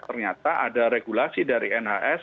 ternyata ada regulasi dari nhs